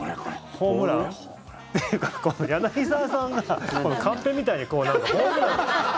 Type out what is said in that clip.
ホームラン？っていうか、柳澤さんがカンペみたいにこう。